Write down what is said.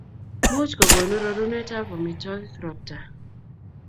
much kukonu rorunetab amitwogik robta